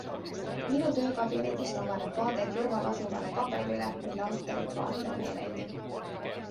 Minu töökabinetist avaneb vaade kõrvalasuvale kabelile, mille altarit vaatlen meeleldi.